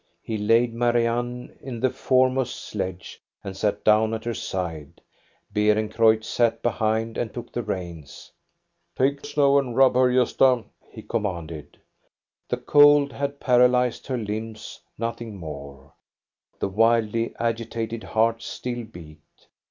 He laid Marianne in the foremost sledge and sat down at her side. Beerencreutz sat behind and took the reins. 104 THE STORY OF GOSTA BE RUNG " Take snow and rub her, Gosta !'* he commanded. The cold had paralyzed her limbs, nothing more. The wildly agitated heart still beat.